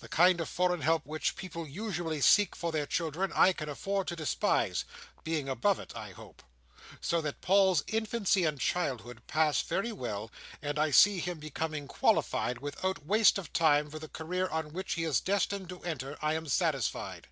The kind of foreign help which people usually seek for their children, I can afford to despise; being above it, I hope. So that Paul's infancy and childhood pass away well, and I see him becoming qualified without waste of time for the career on which he is destined to enter, I am satisfied.